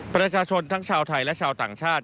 ประชาชนทั้งชาวไทยและชาวต่างชาติ